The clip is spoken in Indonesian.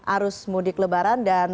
arus mudik lebaran dan